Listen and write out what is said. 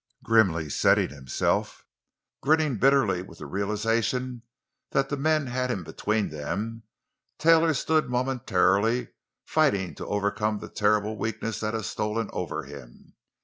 Grimly setting himself, grinning bitterly with the realization that the men had him between them, Taylor stood momentarily, fighting to overcome the terrible weakness that had stolen over him.